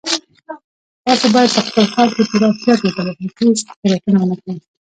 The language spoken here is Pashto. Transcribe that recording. تاسو باید په خپل کار کې پوره احتیاط وکړئ او هیڅ تېروتنه ونه کړئ